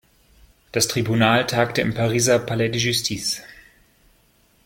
Das Tribunal tagte im Pariser Palais de Justice.